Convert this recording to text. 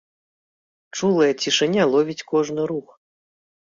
Чулая цішыня ловіць кожны рух.